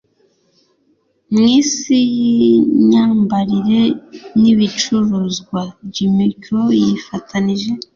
Mwisi Yimyambarire Nibicuruzwa Jimmy Choo Yifatanije